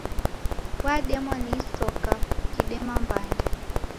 Wademwa ni isoka ukidema mbande.